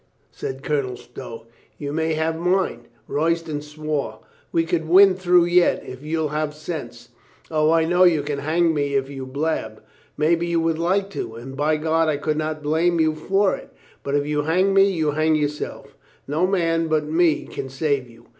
said Colonel Stow. "You may have mine." Royston swore. "We can win through yet, if you'll have sense. O, I know you can hang me if you blab. Maybe you would like to, and by God, I could not blame you for it. But if you hang me, you hang yourself. No man but me can save you."